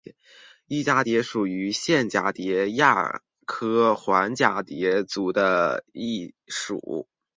漪蛱蝶属是线蛱蝶亚科环蛱蝶族里的一属。